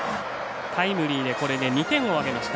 タイムリーで２点を挙げました。